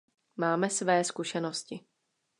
Máme své zkušenosti.